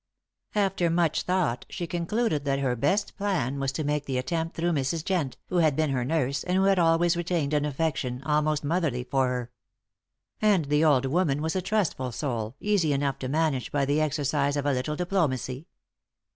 After much thought she concluded that her best plan was to make the attempt through Mrs. Jent, who had been her nurse, and who had always retained an affection, almost motherly, for her. And the old woman was a trustful soul, easy enough to manage by the exercise of a little diplomacy.